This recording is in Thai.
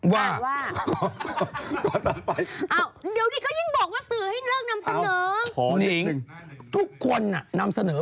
เดี๋ยวดิก็ยิ่งบอกว่าอย่างงี้สื่อเรื่องนำเสนอ